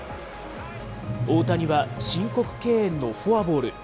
大谷は、申告敬遠のフォアボール。